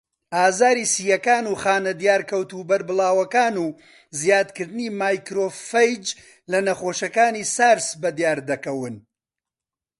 ئازاری سییەکان و خانە دیارکەوتوو بەربڵاوەکان و زیادکردنی ماکرۆفەیج لە نەخۆشەکانی سارس بەدیاردەکەون.